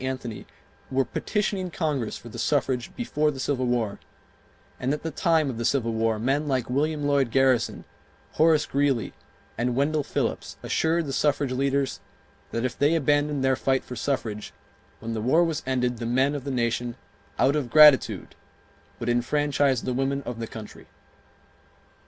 Anthony were petitioning Congress for the suffrage before the Civil War, and at the time of the Civil War men like William Lloyd Garrison, Horace Greeley, and Wendell Phillips assured the suffrage leaders that if they abandoned their fight for suffrage, when the war was ended the men of the nation "out of gratitude" would enfranchise the women of the country.